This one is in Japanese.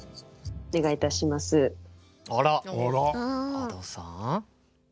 Ａｄｏさん。